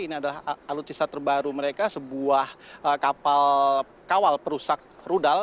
ini adalah alutsista terbaru mereka sebuah kapal kawal perusak rudal